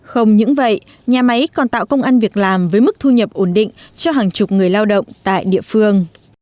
không những vậy nhà máy còn tạo công ăn việc làm với mức thu nhập ổn định cho hàng chục người lao động tại địa phương